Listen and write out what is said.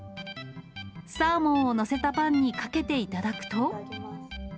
サーモンを載せたパンにかけて頂くと。